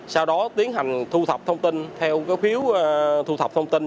sau đó tiến hành thu thập thông tin theo phiếu thu thập thông tin